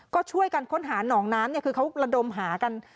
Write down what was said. ก็ช่วยกันค้นหาหนองน้ำเนี่ยคือเขาระดมหากัน